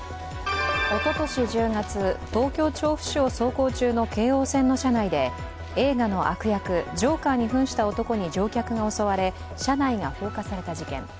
おととし１０月、東京・調布市を走行中の京王線の車内で、映画の悪役・ジョーカーにふんした男に乗客が襲われ、車内が放火された事件。